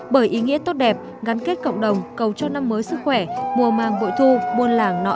bởi ý nghĩa tốt đẹp gắn kết cộng đồng cầu cho năm mới sức khỏe mùa mang bội thu buôn làng no ấm